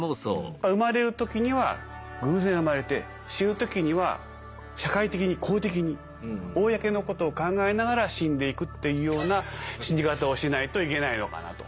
生まれる時には偶然生まれて死ぬ時には社会的に公的に公のことを考えながら死んでいくっていうような死に方をしないといけないのかなと。